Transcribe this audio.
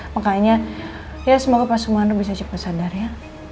makanya ya semoga pak sumando bisa cepat sadar ya